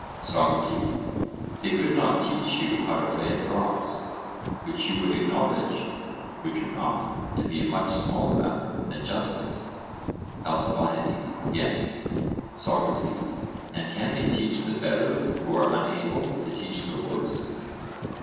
SOCRATES: They could not teach you how to play at draughts, which you would acknowledge (would you not) to be a much smaller matter than justice? ALCIBIADES: Yes. SOCRATES: And can they teach the better who are unable to teach the worse?